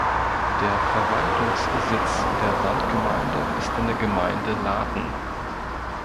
Der Verwaltungssitz der Samtgemeinde ist in der Gemeinde Lathen.